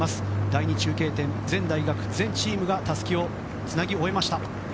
第２中継点、全大学、全チームがたすきをつなぎ終えました。